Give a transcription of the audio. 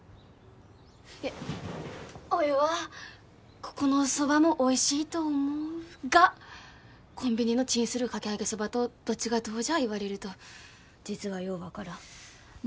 いやおいはここの蕎麦もおいしいと思うがコンビニのチンするかき揚げそばとどっちがどうじゃ言われると実はよう分からんね